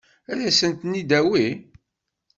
Ad sen-ten-id-tawi?